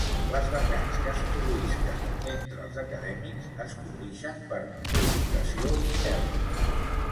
Les vacants que es produïsquen entre els acadèmics es cobrixen per cooptació interna.